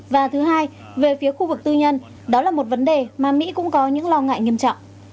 và thứ hai về phía khu vực tư nhân đó là một vấn đề mà mỹ cũng có những lo ngại nghiêm trọng